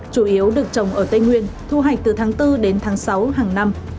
chủ yếu được trồng ở tây nguyên thu hoạch từ tháng bốn đến tháng sáu hàng năm